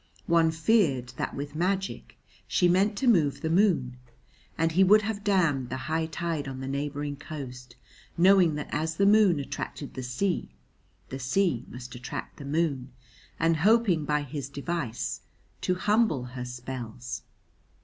One feared that with magic she meant to move the moon; and he would have dammed the high tide on the neighbouring coast, knowing that as the moon attracted the sea the sea must attract the moon, and hoping by his device to humble her spells.